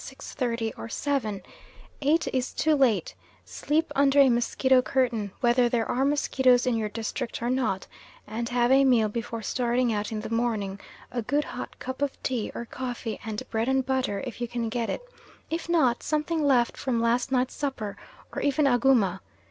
30 or 7, 8 is too late; sleep under a mosquito curtain whether there are mosquitoes in your district or not, and have a meal before starting out in the morning, a good hot cup of tea or coffee and bread and butter, if you can get it, if not, something left from last night's supper or even aguma.